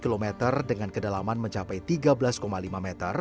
keliling tiga puluh delapan km dengan kedalaman mencapai tiga belas lima m